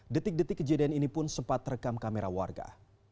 detik detik kejadian ini pun sempat rekam kamera warga